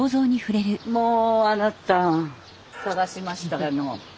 もうあなた探しましたの。